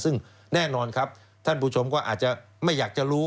ซึ่งแน่นอนครับท่านผู้ชมก็อาจจะไม่อยากจะรู้